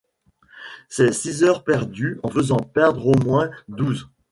Ces six heures perdues en faisaient perdre au moins douze.